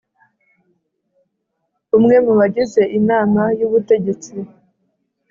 Umwe mu bagize inama y ubutegetsi